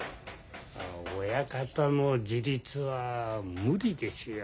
親方の自立は無理ですよ。